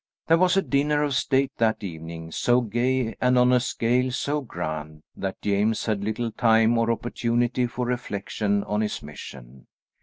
There was a dinner of state that evening, so gay and on a scale so grand that James had little time or opportunity for reflection on his mission.